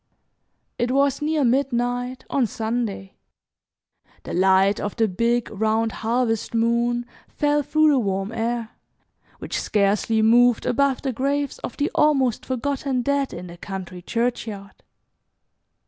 It was near midnight, on Sunday. The light of the big round harvest moon fell through the warm air, which scarcely moved above the graves of the almost forgotten dead in the country churchyard.